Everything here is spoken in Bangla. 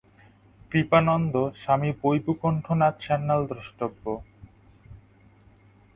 কৃপানন্দ, স্বামী বৈকুণ্ঠনাথ সান্যাল দ্রষ্টব্য।